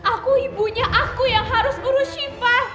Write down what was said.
aku ibunya aku yang harus urus syifa